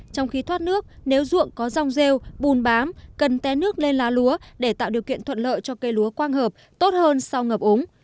trong khi thoát nước nếu ruộng có rong rêu bùn bám cần té nước lên lá lúa để tạo điều kiện thuận lợi cho cây lúa quang hợp tốt hơn sau ngập ống